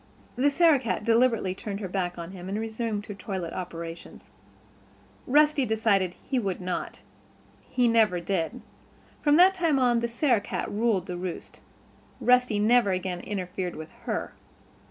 The Sarah cat deliberately turned her back on him and resumed her toilet operations. Rusty decided that he would not. He never did. From that time on the Sarah cat ruled the roost. Rusty never again interfered with her.